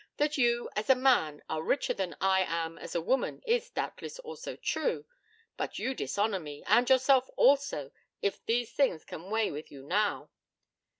That you, as a man, are richer than I am as a woman is doubtless also true. But you dishonour me, and yourself also, if these things can weigh with you now.'